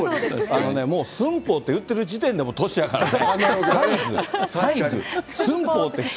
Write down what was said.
あのね、もう寸法って言ってる時点で、もう年やからね。